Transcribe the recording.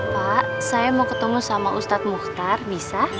pak saya mau ketemu sama ustadz mukhtar bisa